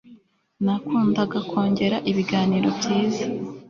nakundaga kongera ibiganiro byiza